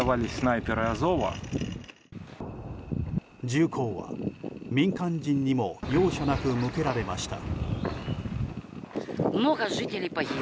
銃口は、民間人にも容赦なく向けられました。